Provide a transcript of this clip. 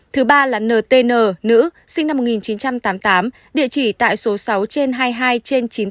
thứ ba là ntn nữ sinh năm một nghìn chín trăm tám mươi tám địa chỉ tại số sáu trên hai mươi hai trên